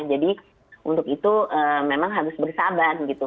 jadi untuk itu memang harus bersabar gitu